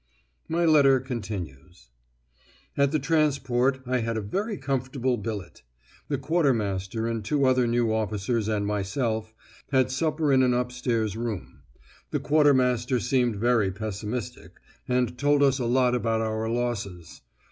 My letter continues: "At the transport I had a very comfortable billet. The quartermaster and two other new officers and myself had supper in an upstairs room. The quartermaster seemed very pessimistic, and told us a lot about our losses.